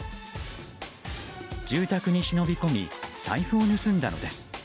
住宅に忍び込み財布を盗んだのです。